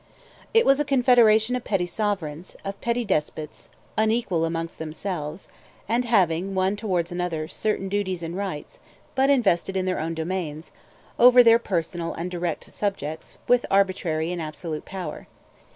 It was a confederation of petty sovereigns, of petty despots, unequal amongst themselves, and having, one towards another, certain duties and rights, but invested in their own domains, over their personal and direct subjects, with arbitrary and absolute power.